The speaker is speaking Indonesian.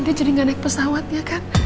dia jadi nggak naik pesawat ya kan